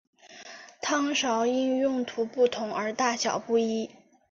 汤勺因用途不同而大小不一。